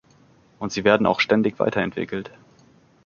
Und sie werden auch ständig weiterentwickelt.